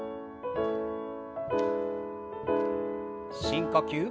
深呼吸。